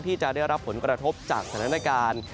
ที่จะได้รับผลกระทบจากสถานการณ์